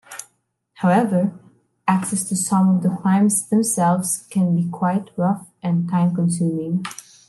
However, access to some of the climbs themselves can be quite rough and time-consuming.